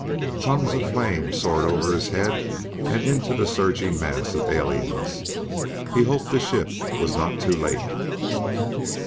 Tongues of flame soared over his head and into the surging mass of aliens. He hoped the ship was not too late...